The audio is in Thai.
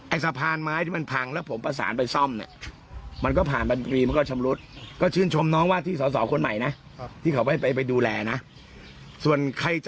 สะพานไม้ที่มันพังแล้วผมประสานไปซ่อมเนี่ย